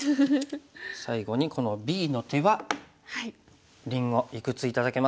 最後にこのＢの手はりんごいくつ頂けますか？